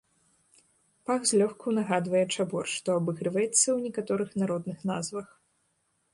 Пах злёгку нагадвае чабор, што абыгрываецца ў некаторых народных назвах.